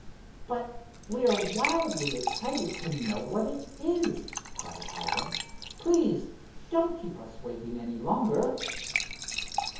"But we are wildly excited to know what it is!" cried Hiram. "Please don't keep us waiting any longer."